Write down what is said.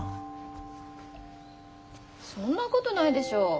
そんなことないでしょ。